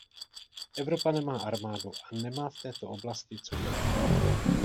Evropa nemá armádu a nemá v této oblasti co dělat.